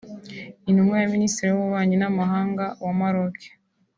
Intumwa ya Minisitiri w’Ububanyi n’Amahanga wa Maroc